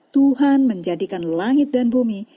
tuhan menjadikan langit dan bumi